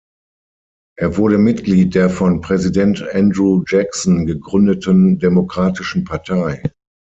Er wurde Mitglied der von Präsident Andrew Jackson gegründeten Demokratischen Partei.